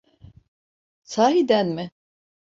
Sahiden mi?